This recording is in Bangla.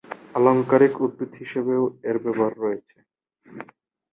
আলংকারিক উদ্ভিদ হিসেবেও এর ব্যবহার রয়েছে।